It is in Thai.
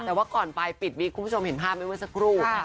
แต่ว่าก่อนไปปิดวิกคุณผู้ชมเห็นภาพไว้เมื่อสักครู่